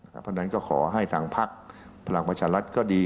เพราะฉะนั้นก็ขอให้ทางพักพลังประชารัฐก็ดี